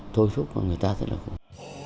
thôi thúc mà người ta sẽ là không